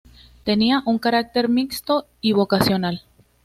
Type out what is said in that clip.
Tenía un carácter mixto y vocacional.